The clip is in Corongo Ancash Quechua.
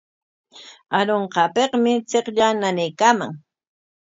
Arunqaapikmi chiqllaa nanaykaaman.